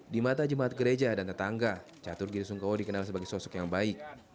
di mata jemaat gereja dan tetangga catur giri sungkowo dikenal sebagai sosok yang baik